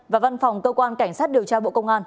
và văn phòng cơ quan cảnh sát điều tra bộ công an